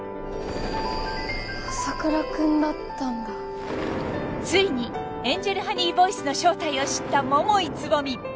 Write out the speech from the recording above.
朝倉君だったんだついにエンジェルハニーボイスの正体を知った桃井蕾未